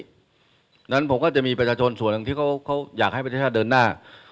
เพราะฉะนั้นผมก็จะมีประชาชนส่วนหนึ่งที่เขาอยากให้ประเทศชาติเดินหน้า